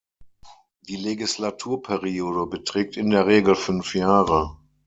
Die Legislaturperiode beträgt in der Regel fünf Jahre.